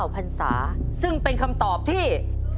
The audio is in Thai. พันศาซึ่งเป็นคำตอบที่